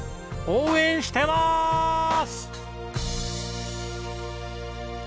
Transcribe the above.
応援してまーす！